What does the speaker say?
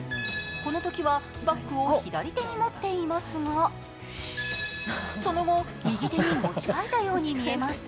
このときはバッグを左手に持っていますがその後、右手に持ち替えたように見えます。